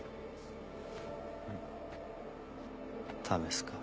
試すか？